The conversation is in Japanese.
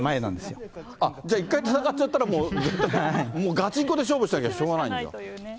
じゃあ、一回戦っちゃったら、もうずっと、ガチンコで勝負しなきゃしょうがないんだ。